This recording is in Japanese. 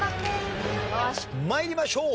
参りましょう。